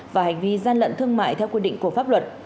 và hành vi gian lận thương mại theo quy định của pháp luật